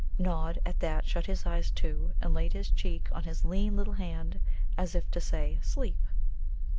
Nod at that shut his eyes too, and laid his cheek on his lean little hand, as if to say, "Sleep."